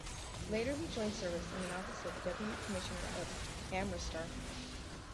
Later he joined service in the office of Deputy commissioner of Amritsar.